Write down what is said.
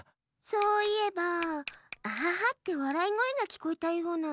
そういえば「アハハ！」ってわらいごえがきこえたような。